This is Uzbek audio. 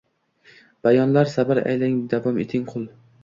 — Boyonlar, sabr aylang… davom etgin, qul!